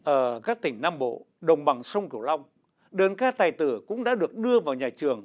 ở các tỉnh nam bộ đồng bằng sông cửu long đơn ca tài tử cũng đã được đưa vào nhà trường